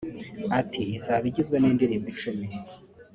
Ati “Izaba igizwe n’indirimbo icumi